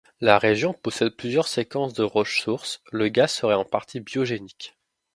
La région possède plusieurs séquences de roches-sources, le gaz serait en partie biogénique.